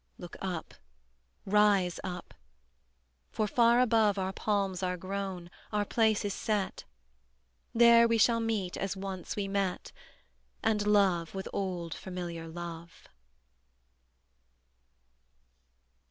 Look up, rise up: for far above Our palms are grown, our place is set; There we shall meet as once we met, And love with old familiar love.